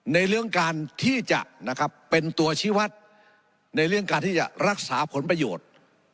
ในเรื่องการที่จะเป็นตัวชีวัตรในเรื่องการที่จะรักษาผลประโยชน์